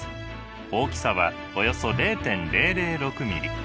大きさはおよそ０．００６ミリ。